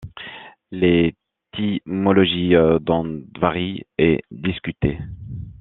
L'étymologie d'Andvari est discutée.